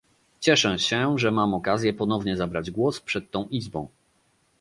Cieszę się, że mam okazję ponownie zabrać głos przed tą Izbą